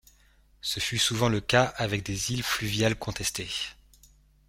Ce fut souvent le cas avec des îles fluviales contestées.